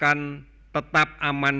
kami ingin membuat kemas kesehatan